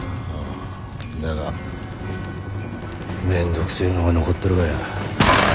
だがめんどくせえのが残っとるがや。